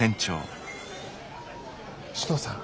首藤さん。